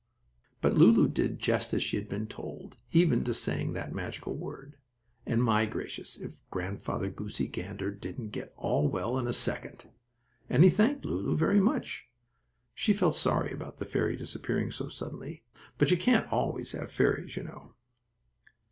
But Lulu did just as she had been told, even to saying that magical word, and, my gracious! if Grandfather Goosey Gander didn't get all well in a second, and he thanked Lulu very much. She felt sorry about the fairy disappearing so suddenly, but you can't always have fairies, you know.